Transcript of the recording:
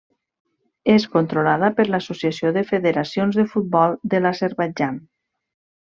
És controlada per l'Associació de Federacions de Futbol de l'Azerbaidjan.